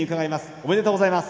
おめでとうございます。